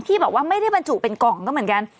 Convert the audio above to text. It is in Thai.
ที่บอกว่าไม่ได้บรรจุเป็นกล่องก็เหมือนกัน